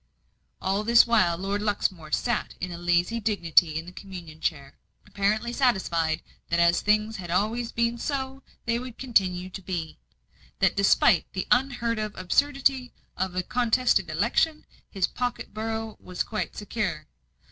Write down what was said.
All this while, Lord Luxmore sat in lazy dignity in the communion chair, apparently satisfied that as things always had been so they would continue to be; that despite the unheard of absurdity of a contested election, his pocket borough was quite secure.